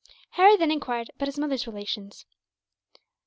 Harry then enquired about his mother's relations.